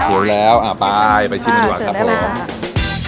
หิวแล้วไปชิมกันดีกว่าครับ